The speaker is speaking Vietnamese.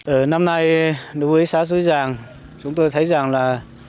ở năm nay đối với xã xuế giàng chúng tôi thấy rằng là